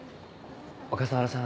小笠原さん